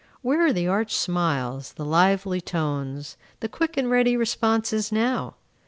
Where are the arch smiles, the lively tones, the quick and ready responses now?